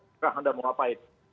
serah anda mau ngapain